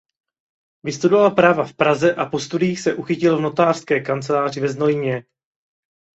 Vystudoval práva v Praze a po studiích se uchytil v notářské kanceláři ve Znojmě.